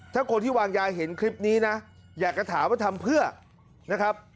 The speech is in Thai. ถ้าคนที่วางยาเห็นคลิปนี้นะอยากจะถามว่าทำเพื่อนะครับ